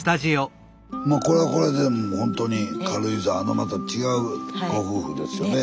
これはこれでもうほんとに軽井沢のまた違うご夫婦ですよね。ね。